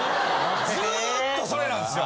ずっとそれなんですよ。